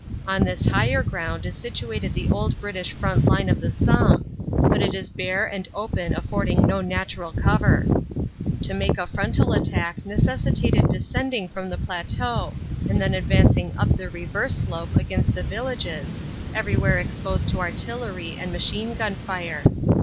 On this higher ground is situated the old British front line of the Somme, but it is bare and open affording no natural cover. To make a frontal attack necessitated descending from the plateau and then advancing up the reverse slope against the villages, everywhere exposed to artillery and machine gun fire.